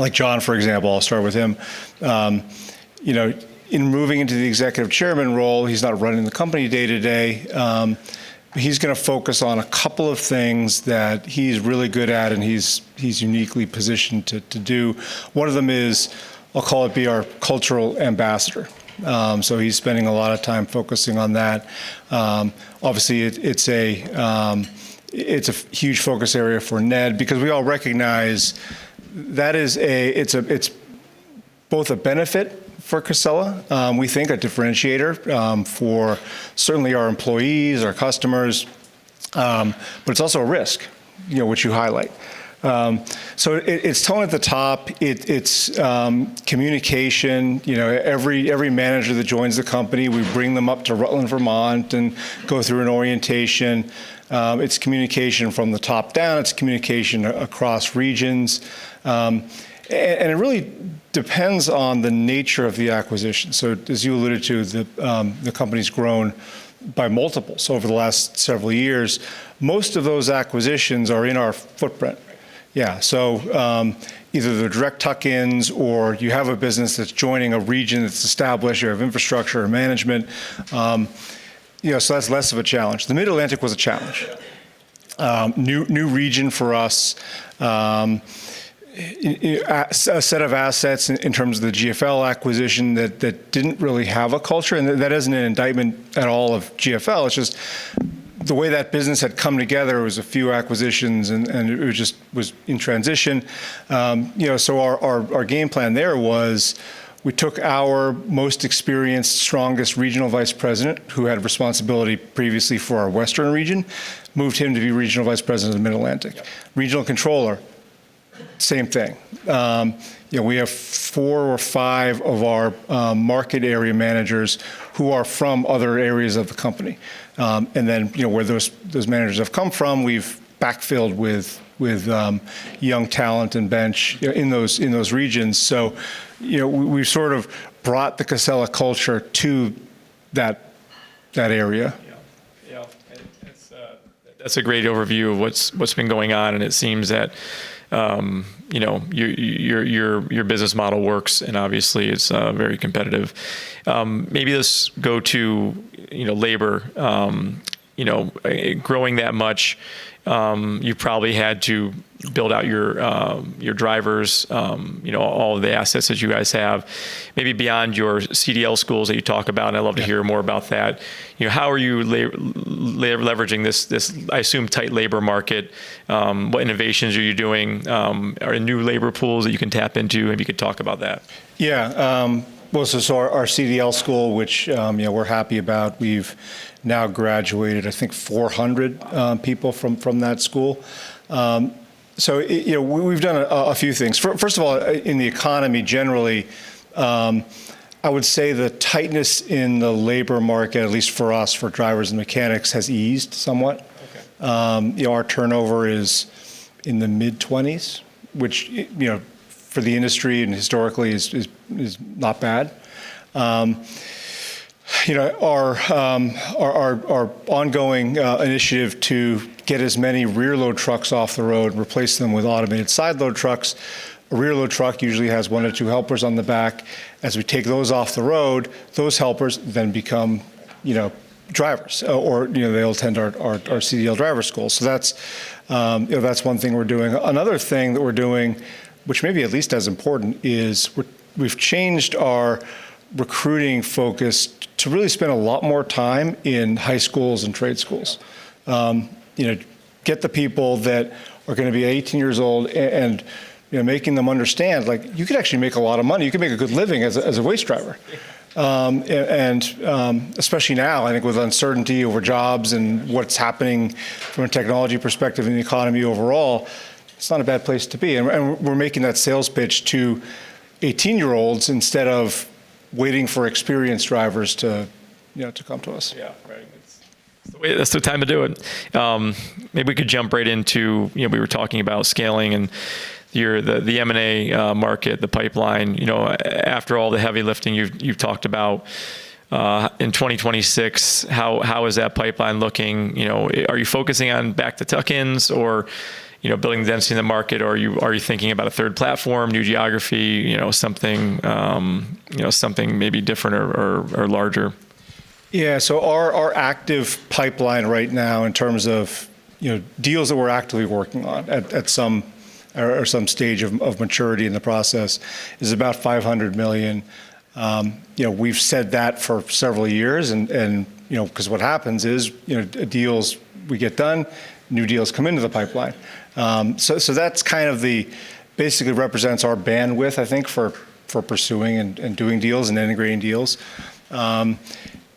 Like John, for example, I'll start with him. In moving into the executive chairman role, he's not running the company day-to-day. He's going to focus on a couple of things that he's really good at and he's uniquely positioned to do. One of them is, I'll call it being our cultural ambassador. So he's spending a lot of time focusing on that. Obviously, it's a huge focus area for Ned because we all recognize that it's both a benefit for Casella, we think a differentiator, for certainly our employees, our customers, but it's also a risk, which you highlight. So it's tone at the top. It's communication. Every manager that joins the company, we bring them up to Rutland, Vermont, and go through an orientation. It's communication from the top down. It's communication across regions. It really depends on the nature of the acquisition. As you alluded to, the company's grown by multiples over the last several years. Most of those acquisitions are in our footprint. Yeah. Either they're direct tuck-ins or you have a business that's joining a region that's established. You have infrastructure and management so that's less of a challenge. The Mid-Atlantic was a challenge. New region for us. A set of assets in terms of the GFL acquisition that didn't really have a culture, and that isn't an indictment at all of GFL. It's just the way that business had come together, it was a few acquisitions, and it just was in transition. Our game plan there was, we took our most experienced, strongest regional vice president, who had responsibility previously for our Western region, moved him to be regional vice president of the Mid-Atlantic. Regional controller, same thing. We have four or five of our market area managers who are from other areas of the company. Then, where those managers have come from, we've backfilled with young talent and bench in those regions. We've sort of brought the Casella culture to that area. That's a great overview of what's been going on, and it seems that your business model works, and obviously it's very competitive. Maybe let's go to labor. Growing that much, you probably had to build out your drivers, all of the assets that you guys have. Maybe beyond your CDL schools that you talk about, I'd love to hear more about that. How are you leveraging this, I assume, tight labor market? What innovations are you doing? Are there new labor pools that you can tap into? Maybe you could talk about that. Yeah. Well, our CDL school, which we're happy about, we've now graduated, I think, 400 people from that school. We've done a few things. First of all, in the economy generally, I would say the tightness in the labor market, at least for us, for drivers and mechanics, has eased somewhat. Our turnover is in the mid-20s, which for the industry and historically is not bad. Our ongoing initiative to get as many rear load trucks off the road and replace them with automated side load trucks. A rear load truck usually has one or two helpers on the back. As we take those off the road, those helpers then become drivers. Or they'll attend our CDL driver school. That's one thing we're doing. Another thing that we're doing, which may be at least as important, is we've changed our recruiting focus to really spend a lot more time in high schools and trade schools. Get the people that are going to be 18 years old and making them understand, you could actually make a lot of money. You could make a good living as a waste driver. Especially now, I think with uncertainty over jobs and what's happening from a technology perspective and the economy overall, it's not a bad place to be. We're making that sales pitch to 18-year-olds instead of waiting for experienced drivers to come to us. Yeah. Right. That's the time to do it. Maybe we could jump right into. We were talking about scaling and the M&A market, the pipeline. After all the heavy lifting you've talked about, in 2026, how is that pipeline looking? Are you focusing on back to tuck-ins or building density in the market, or are you thinking about a third platform, new geography, something maybe different or larger? Yeah. Our active pipeline right now in terms of deals that we're actively working on at some stage of maturity in the process is about $500 million. We've said that for several years, because what happens is, deals we get done, new deals come into the pipeline. That basically represents our bandwidth, I think, for pursuing and doing deals and integrating deals.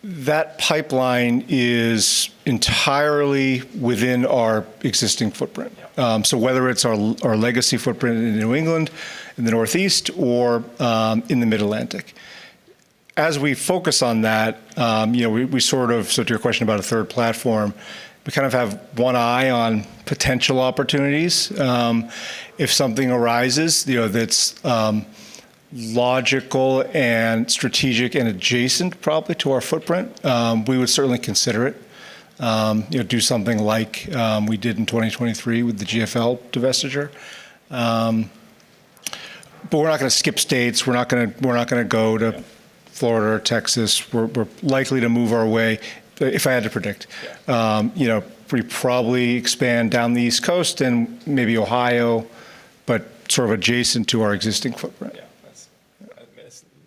That pipeline is entirely within our existing footprint. Whether it's our legacy footprint in New England, in the Northeast, or in the Mid-Atlantic. As we focus on that, so to your question about a third platform, we kind of have one eye on potential opportunities. If something arises that's logical and strategic and adjacent probably to our footprint. We would certainly consider it, do something like we did in 2023 with the GFL divestiture. We're not going to skip states. We're not going to go to Florida or Texas. We're likely to move our way, if I had to predict, we probably expand down the East Coast and maybe Ohio, but sort of adjacent to our existing footprint. Yeah.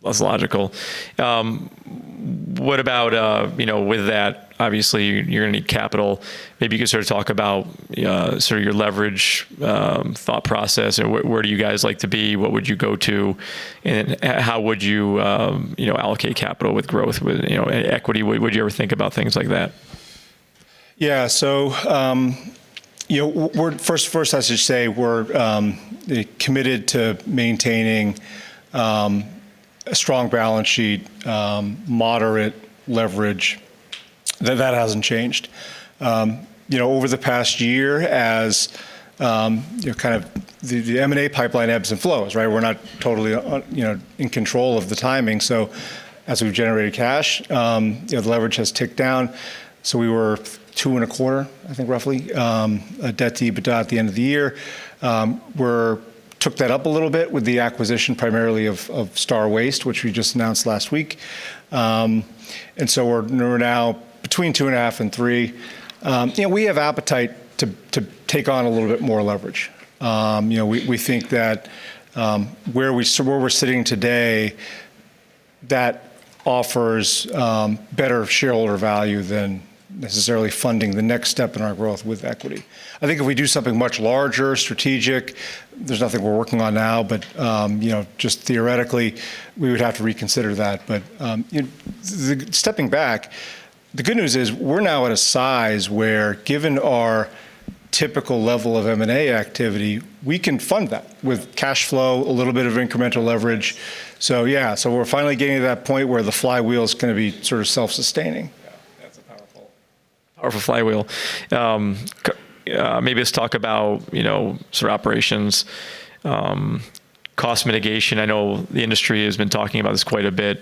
That's logical. What about with that, obviously you're going to need capital. Maybe you could sort of talk about your leverage thought process and where do you guys like to be? What would you go to and how would you allocate capital with growth, with equity? Would you ever think about things like that? Yeah. First I should say, we're committed to maintaining a strong balance sheet, moderate leverage. That hasn't changed. Over the past year, as the M&A pipeline ebbs and flows, we're not totally in control of the timing. As we've generated cash, the leverage has ticked down. We were 2.25x, I think, roughly, debt to EBITDA at the end of the year. We took that up a little bit with the acquisition primarily of Star Waste, which we just announced last week. We're now between 2.5x and 3x. We have appetite to take on a little bit more leverage. We think that where we're sitting today, that offers better shareholder value than necessarily funding the next step in our growth with equity. I think if we do something much larger, strategic, there's nothing we're working on now, but just theoretically, we would have to reconsider that. Stepping back, the good news is we're now at a size where, given our typical level of M&A activity, we can fund that with cash flow, a little bit of incremental leverage. Yeah, so we're finally getting to that point where the flywheel is going to be sort of self-sustaining. Yeah. That's a powerful flywheel. Maybe let's talk about operations, cost mitigation. I know the industry has been talking about this quite a bit.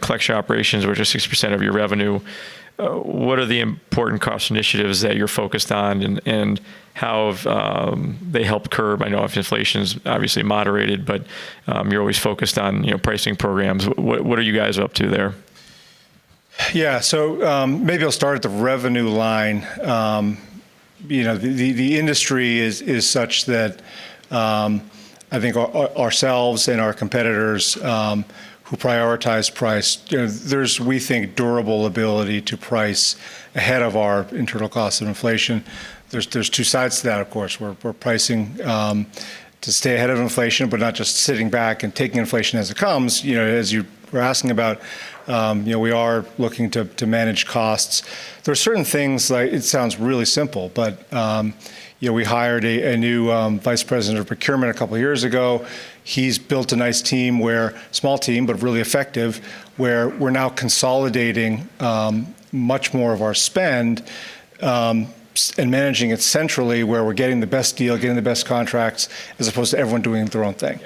Collection operations, which are 60% of your revenue, what are the important cost initiatives that you're focused on and how have they helped curb inflation. I know inflation's obviously moderated, but you're always focused on pricing programs. What are you guys up to there? Yeah. Maybe I'll start at the revenue line. The industry is such that I think ourselves and our competitors who prioritize price, there's we think durable ability to price ahead of our internal cost of inflation. There's two sides to that, of course. We're pricing to stay ahead of inflation, but not just sitting back and taking inflation as it comes. As you were asking about, we are looking to manage costs. There are certain things. It sounds really simple, but we hired a new vice president of procurement a couple of years ago. He's built a nice team, small team, but really effective, where we're now consolidating much more of our spend and managing it centrally, where we're getting the best deal, getting the best contracts, as opposed to everyone doing their own thing.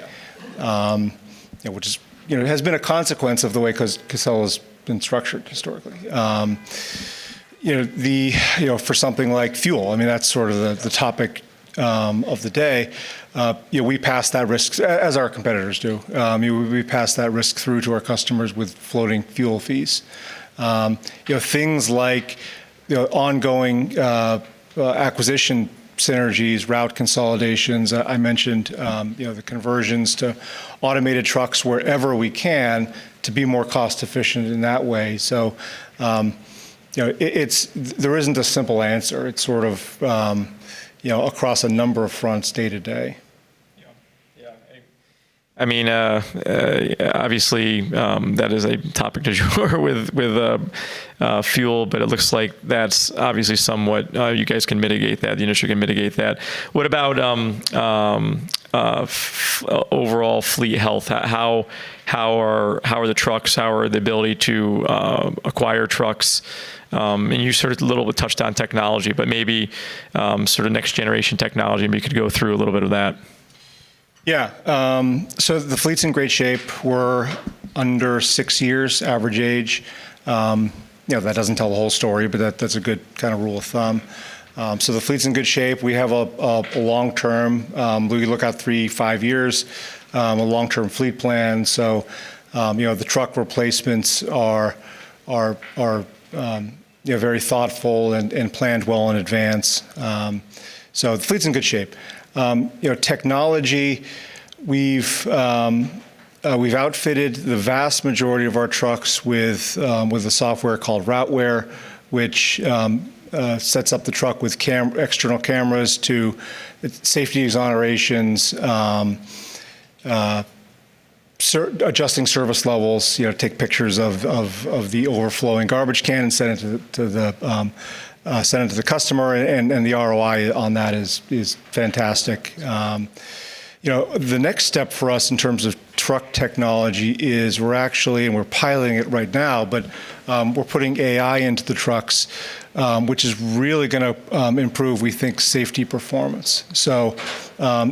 Which has been a consequence of the way Casella's been structured historically. For something like fuel, that's sort of the topic of the day, we pass that risk, as our competitors do, we pass that risk through to our customers with floating fuel fees. Things like ongoing acquisition synergies, route consolidations. I mentioned the conversions to automated trucks wherever we can to be more cost-efficient in that way. There isn't a simple answer. It's sort of across a number of fronts day to day. Yeah. Obviously, that is a topic with fuel, but it looks like that's obviously somewhat, you guys can mitigate that, the industry can mitigate that. What about overall fleet health? How are the trucks? How are the ability to acquire trucks? And you sort of a little bit touched on technology, but maybe sort of next generation technology, maybe you could go through a little bit of that. Yeah. The fleet's in great shape. We're under six years average age. That doesn't tell the whole story, but that's a good kind of rule of thumb. The fleet's in good shape. We have a long term, we look out three to five years, a long term fleet plan, the truck replacements are very thoughtful and planned well in advance. The fleet's in good shape. Technology, we've outfitted the vast majority of our trucks with a software called Routeware, which sets up the truck with external cameras to safety annotations, adjusting service levels, take pictures of the overflowing garbage can and send it to the customer, and the ROI on that is fantastic. The next step for us in terms of truck technology is we're actually, and we're piloting it right now, but we're putting AI into the trucks, which is really going to improve, we think, safety performance.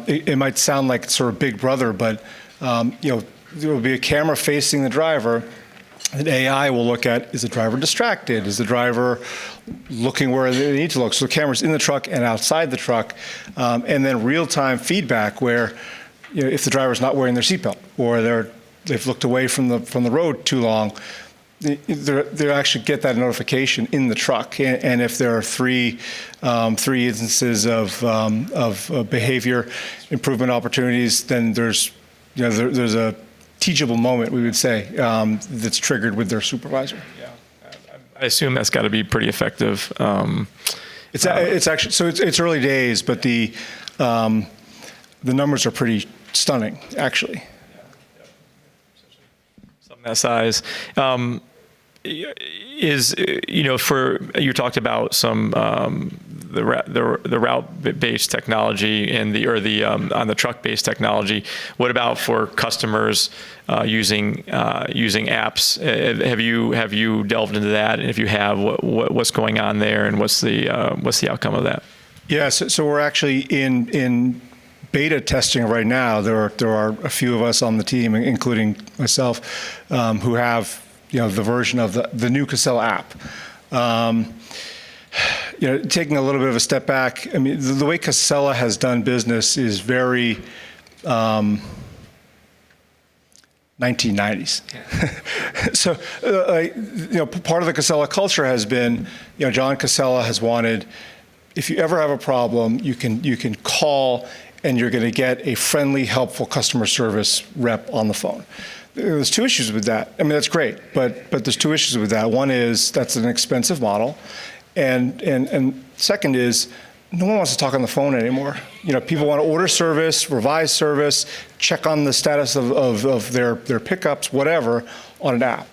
It might sound like sort of Big Brother, but there will be a camera facing the driver. An AI will look at, is the driver distracted? Is the driver looking where they need to look? Cameras in the truck and outside the truck, and then real-time feedback where, if the driver's not wearing their seatbelt or they've looked away from the road too long, they actually get that notification in the truck. If there are three instances of behavior improvement opportunities, then there's a teachable moment, we would say, that's triggered with their supervisor. Yeah. I assume that's got to be pretty effective. It's early days, but the numbers are pretty stunning, actually. Yeah. Some AI. You talked about the route-based technology or on the truck-based technology. What about for customers using apps? Have you delved into that? If you have, what's going on there and what's the outcome of that? Yeah. We're actually in beta testing right now. There are a few of us on the team, including myself, who have the version of the new Casella app. Taking a little bit of a step back, the way Casella has done business is very 1990s. Part of the Casella culture has been John Casella has wanted, if you ever have a problem, you can call and you're going to get a friendly, helpful customer service rep on the phone. There's two issues with that. I mean, that's great, but there's two issues with that. One is that's an expensive model, and second is no one wants to talk on the phone anymore. People want to order service, revise service, check on the status of their pickups, whatever, on an app.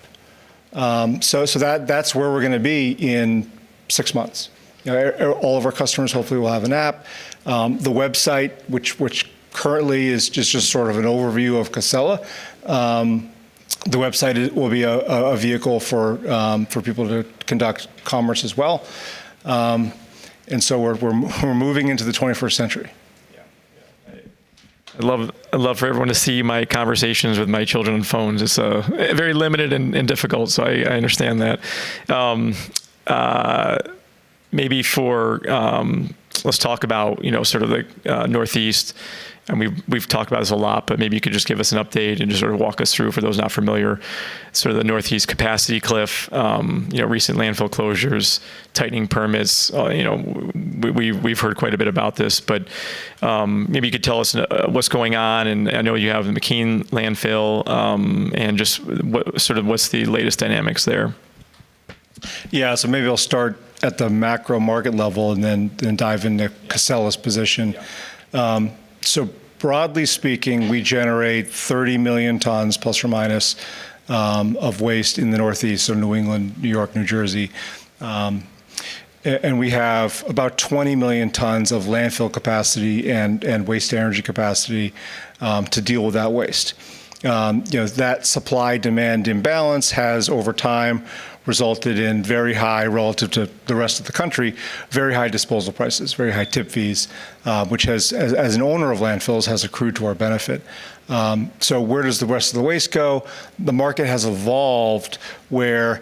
That's where we're going to be in six months. All of our customers hopefully will have an app. The website, which currently is just sort of an overview of Casella, the website will be a vehicle for people to conduct commerce as well. We're moving into the 21st century. Yeah. I'd love for everyone to see my conversations with my children on phones. It's very limited and difficult, so I understand that. Let's talk about sort of the Northeast, and we've talked about this a lot, but maybe you could just give us an update and just sort of walk us through, for those not familiar, sort of the Northeast capacity cliff, recent landfill closures, tightening permits. We've heard quite a bit about this, but maybe you could tell us what's going on, and I know you have the McKean Landfill, and just sort of what's the latest dynamics there. Yeah. Maybe I'll start at the macro market level and then dive into Casella's position. Broadly speaking, we generate ±30,000,000tons of waste in the Northeast, so New England, New York, New Jersey. We have about 20,000,000tons of landfill capacity and waste-to-energy capacity to deal with that waste. That supply-demand imbalance has, over time, resulted in very high, relative to the rest of the country, very high disposal prices, very high tip fees, which as an owner of landfills, has accrued to our benefit. Where does the rest of the waste go? The market has evolved where,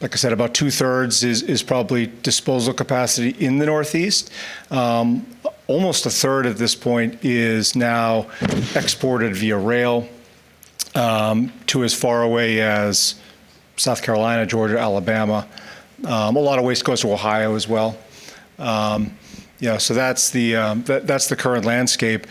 like I said, about two-thirds is probably disposal capacity in the Northeast. Almost a third at this point is now exported via rail to as far away as South Carolina, Georgia, Alabama. A lot of waste goes to Ohio as well. That's the current landscape.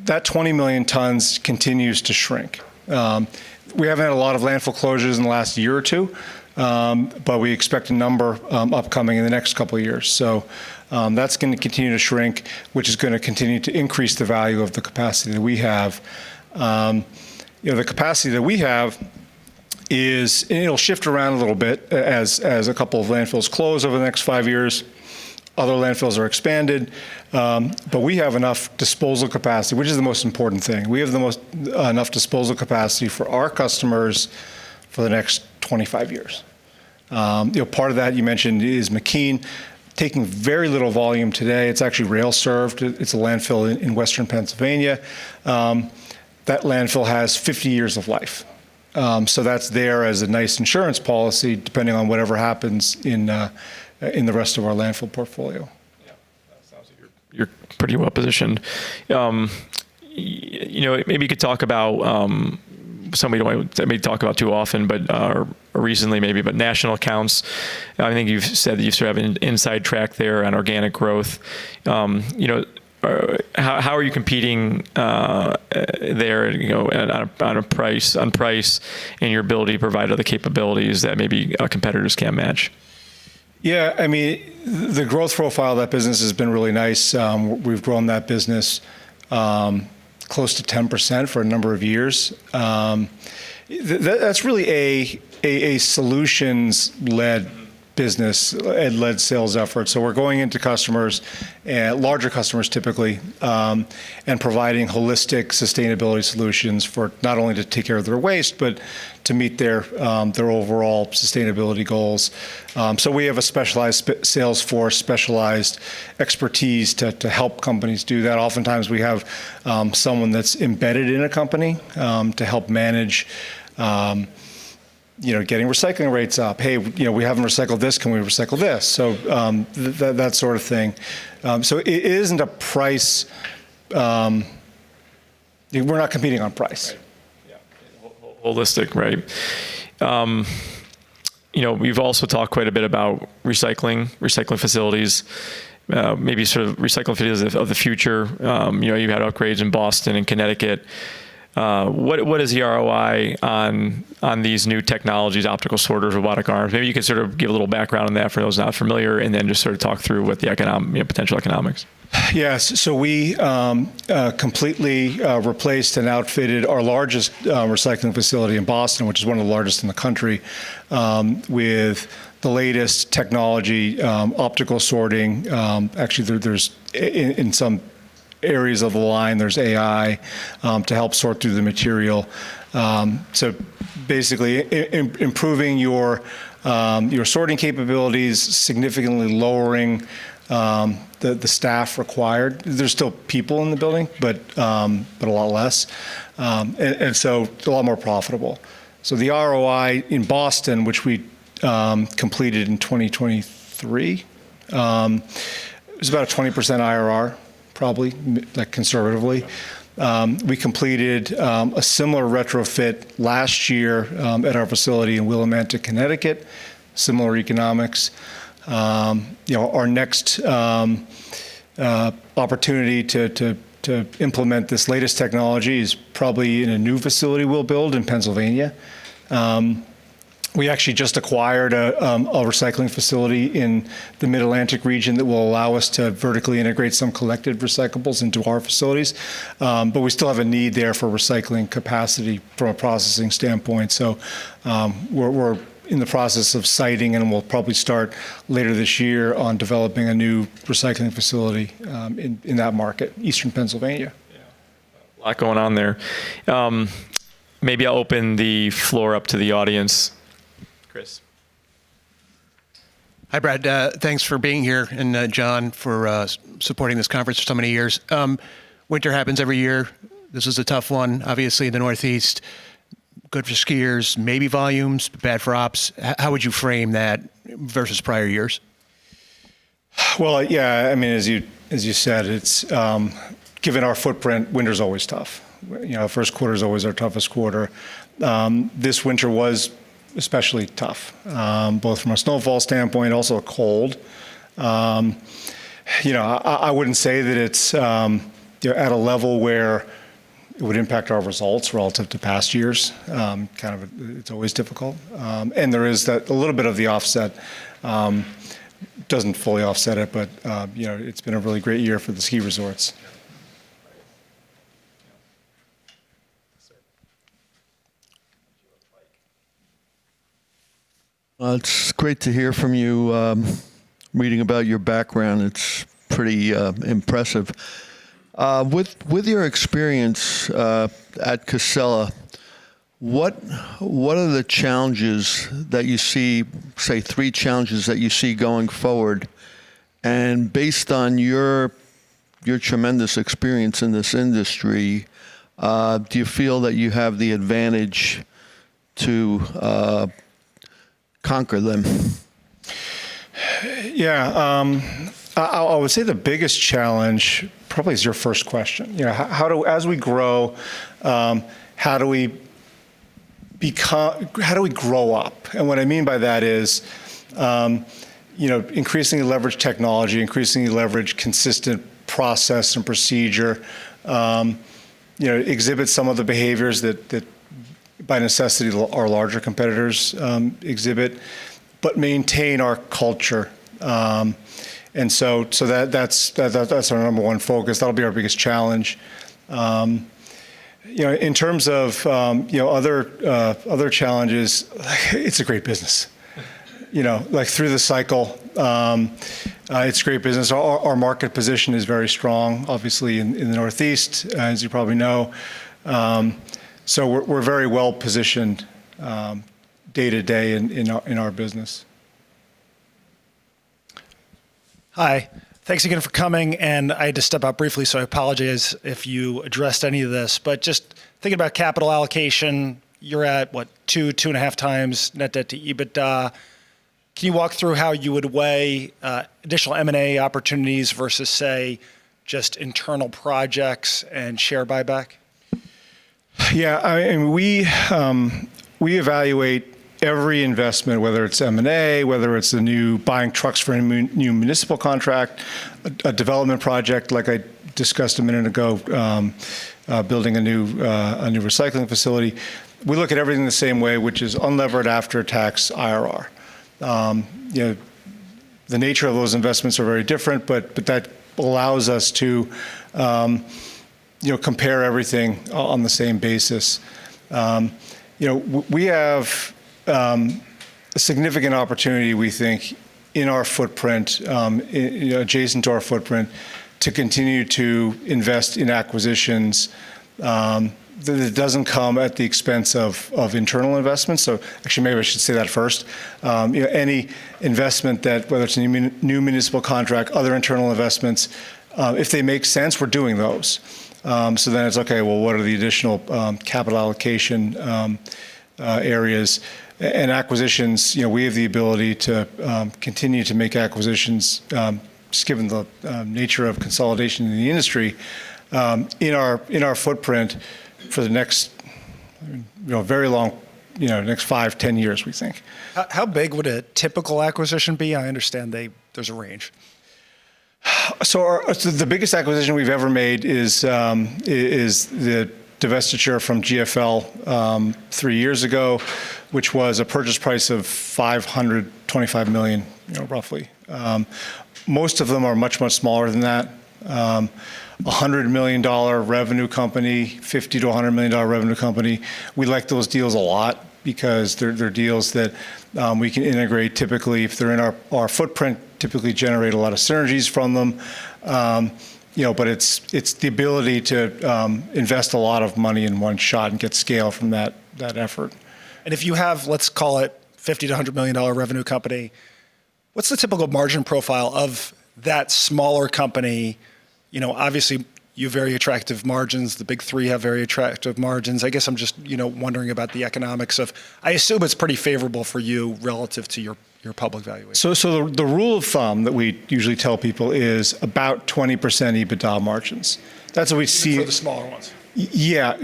That 20,000,000tons continues to shrink. We haven't had a lot of landfill closures in the last year or two, but we expect a number upcoming in the next couple of years. That's going to continue to shrink, which is going to continue to increase the value of the capacity that we have. The capacity that we have is, and it'll shift around a little bit as a couple of landfills close over the next five years, other landfills are expanded, but we have enough disposal capacity, which is the most important thing. We have enough disposal capacity for our customers for the next 25 years. Part of that, you mentioned, is McKean taking very little volume today. It's actually rail-served. It's a landfill in western Pennsylvania. That landfill has 50 years of life. That's there as a nice insurance policy, depending on whatever happens in the rest of our landfill portfolio. Yeah. Sounds like you're pretty well-positioned. Maybe you could talk about something that we don't talk about too often but, or recently maybe, but national accounts, I think you've said that you sort of have an inside track there on organic growth. How are you competing there on price and your ability to provide other capabilities that maybe competitors can't match? Yeah. The growth profile of that business has been really nice. We've grown that business close to 10% for a number of years. That's really a solutions-led business and led sales effort. We're going into customers, larger customers typically, and providing holistic sustainability solutions for not only to take care of their waste, but to meet their overall sustainability goals. We have a specialized sales force, specialized expertise to help companies do that. Oftentimes, we have someone that's embedded in a company to help manage. You know, getting recycling rates up. "Hey, we haven't recycled this. Can we recycle this?" That sort of thing. We're not competing on price. Right. Yeah. Holistic, right. We've also talked quite a bit about recycling facilities, maybe sort of recycling facilities of the future. You've had upgrades in Boston and Connecticut. What is the ROI on these new technologies, optical sorters, robotic arms? Maybe you can sort of give a little background on that for those not familiar, and then just sort of talk through what the potential economics. Yes. We completely replaced and outfitted our largest recycling facility in Boston, which is one of the largest in the country, with the latest technology, optical sorting. Actually, in some areas of the line, there's AI to help sort through the material. Basically, improving your sorting capabilities, significantly lowering the staff required. There's still people in the building, but a lot less. It's a lot more profitable. The ROI in Boston, which we completed in 2023, it was about a 20% IRR, probably, like conservatively. We completed a similar retrofit last year at our facility in Willimantic, Connecticut, similar economics. Our next opportunity to implement this latest technology is probably in a new facility we'll build in Pennsylvania. We actually just acquired a recycling facility in the Mid-Atlantic region that will allow us to vertically integrate some collected recyclables into our facilities. We still have a need there for recycling capacity from a processing standpoint. We're in the process of siting, and we'll probably start later this year on developing a new recycling facility in that market, eastern Pennsylvania. Yeah. A lot going on there. Maybe I'll open the floor up to the audience. Chris. Hi, Brad. Thanks for being here, and John, for supporting this conference for so many years. Winter happens every year. This is a tough one, obviously, in the Northeast. Good for skiers, maybe volumes, bad for ops. How would you frame that versus prior years? Well, yeah. As you said, given our footprint, winter's always tough. First quarter's always our toughest quarter. This winter was especially tough, both from a snowfall standpoint, also the cold. I wouldn't say that it's at a level where it would impact our results relative to past years. It's always difficult. There is that, a little bit of the offset. Doesn't fully offset it, but it's been a really great year for the ski resorts. Sir. Mike. Well, it's great to hear from you. Reading about your background, it's pretty impressive. With your experience at Casella, what are the challenges that you see, say, three challenges that you see going forward? Based on your tremendous experience in this industry, do you feel that you have the advantage to conquer them? Yeah. I would say the biggest challenge probably is your first question. As we grow, how do we grow up? What I mean by that is leveraging technology, leveraging consistent process and procedure, exhibiting some of the behaviors that by necessity our larger competitors exhibit, but maintain our culture. That's our number one focus. That'll be our biggest challenge. In terms of other challenges, it's a great business. Like through the cycle, it's a great business. Our market position is very strong, obviously, in the Northeast, as you probably know. We're very well-positioned day to day in our business. Hi. Thanks again for coming, and I had to step out briefly, so I apologize if you addressed any of this. Just thinking about capital allocation, you're at what? 2x-2.5x net debt to EBITDA. Can you walk through how you would weigh additional M&A opportunities versus, say, just internal projects and share buyback? Yeah. We evaluate every investment, whether it's M&A, whether it's the new buying trucks for a new municipal contract, a development project like I discussed a minute ago, building a new recycling facility. We look at everything the same way, which is unlevered after-tax IRR. The nature of those investments are very different, but that allows us to compare everything on the same basis. We have a significant opportunity we think in our footprint, adjacent to our footprint, to continue to invest in acquisitions that don't come at the expense of internal investments. Actually, maybe I should say that first. Any investment that, whether it's a new municipal contract, other internal investments, if they make sense, we're doing those. It's okay, well, what are the additional capital allocation areas and acquisitions? We have the ability to continue to make acquisitions, just given the nature of consolidation in the industry, in our footprint for the next. You know, very long, the next five, 10 years, we think. How big would a typical acquisition be? I understand there's a range. The biggest acquisition we've ever made is the divestiture from GFL three years ago, which was a purchase price of $525 million, roughly. Most of them are much, much smaller than that. A $100 million revenue company, $50 million-$100 million revenue company, we like those deals a lot because they're deals that we can integrate typically if they're in our footprint, typically generate a lot of synergies from them. It's the ability to invest a lot of money in one shot and get scale from that effort. If you have, let's call it $50 million-$100 million revenue company, what's the typical margin profile of that smaller company? Obviously, you have very attractive margins. The big three have very attractive margins. I guess I'm just wondering about the economics of. I assume it's pretty favorable for you relative to your public valuation. The rule of thumb that we usually tell people is about 20% EBITDA margins. That's what we see. For the smaller ones? Yeah.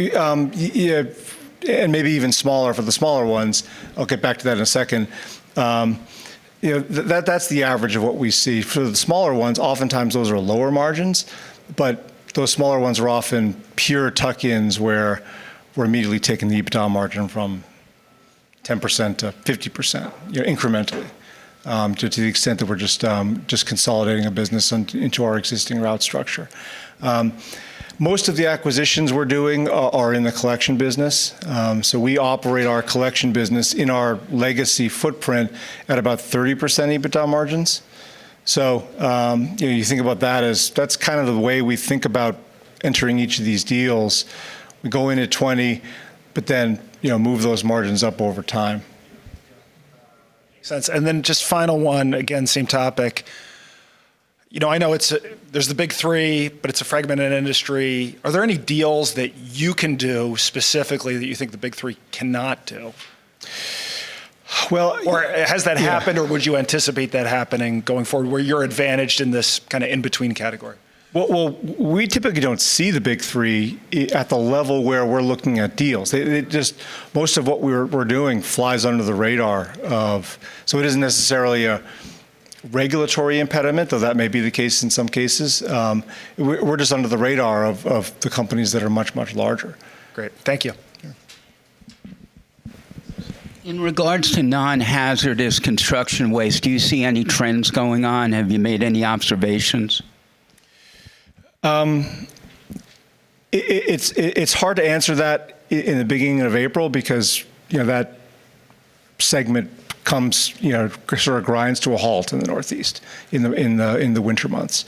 Maybe even smaller for the smaller ones. I'll get back to that in a second. That's the average of what we see. For the smaller ones, oftentimes, those are lower margins. Those smaller ones are often pure tuck-ins, where we're immediately taking the EBITDA margin from 10% to 50%, incrementally, to the extent that we're just consolidating a business into our existing route structure. Most of the acquisitions we're doing are in the collection business. We operate our collection business in our legacy footprint at about 30% EBITDA margins. You think about that as that's kind of the way we think about entering each of these deals, going at 20%, but then move those margins up over time. Makes sense. Just final one, again, same topic. I know there's the big three, but it's a fragmented industry. Are there any deals that you can do specifically that you think the big three cannot do? Has that happened, or would you anticipate that happening going forward, where you're advantaged in this kind of in-between category? Well, we typically don't see the big three at the level where we're looking at deals. Most of what we're doing flies under the radar. It isn't necessarily a regulatory impediment, though that may be the case in some cases. We're just under the radar of the companies that are much, much larger. Great. Thank you. Yeah. In regards to non-hazardous construction waste, do you see any trends going on? Have you made any observations? It's hard to answer that in the beginning of April, because that segment sort of grinds to a halt in the Northeast in the winter months.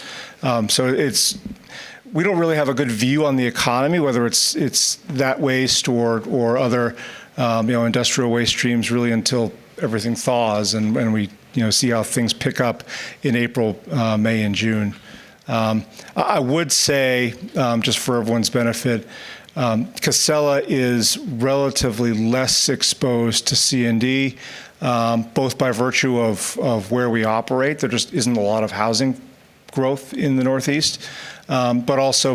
We don't really have a good view on the economy, whether it's that waste or other industrial waste streams, really until everything thaws and we see how things pick up in April, May, and June. I would say, just for everyone's benefit, Casella is relatively less exposed to C&D, both by virtue of where we operate, there just isn't a lot of housing growth in the Northeast. Also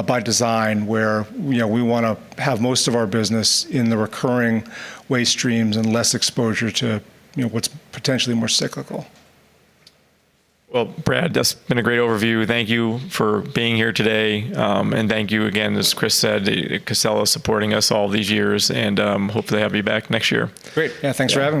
by design, where we want to have most of our business in the recurring waste streams and less exposure to what's potentially more cyclical. Well, Brad, that's been a great overview. Thank you for being here today. Thank you again, as Chris said, Casella supporting us all these years, and hopefully have you back next year. Great. Yeah, thanks for having me.